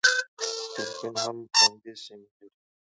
فېلېپین هم خوندي سیمې لري.